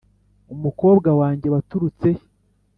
umukobwa wanjye waturutse he?